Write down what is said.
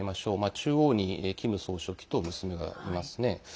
中央にキム総書記と娘がいますね。